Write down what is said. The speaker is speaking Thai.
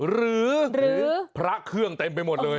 หรือพระเครื่องเต็มไปหมดเลย